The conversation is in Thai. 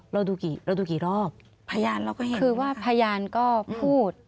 เราดูกี่เราดูกี่รอบพยานเราก็เห็นคือว่าพยานก็พูด